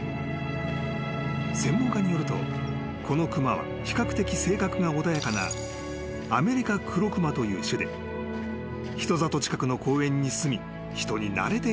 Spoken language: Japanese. ［専門家によるとこの熊は比較的性格が穏やかなアメリカクロクマという種で人里近くの公園にすみ人に慣れているのではとのこと］